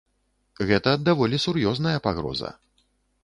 Гэта даволі сур'ёзная пагроза.